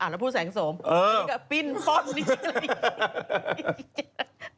ดูแสงโสมอันนี้ก็ปิ้นป้อบนี่อะไรอย่างนี้